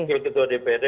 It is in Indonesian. wakil ketua dprd